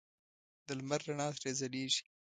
د لمر رڼا ترې ځلېږي.